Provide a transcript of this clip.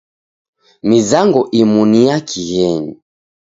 Mizango imu ni ya kighenyi.